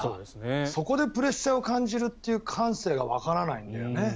そこでプレッシャーを感じるっていう感性がわからないんだよね